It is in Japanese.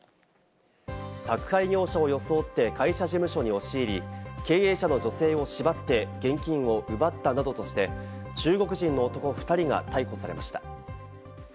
宅配業者を装って会社事務所に押し入り、経営者の女性を縛って現金を奪ったなどとして、中国人の男２人が逮捕されました。